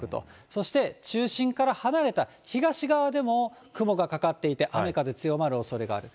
そして中心から離れた東側でも雲がかかっていて、雨、風強まるおそれがある。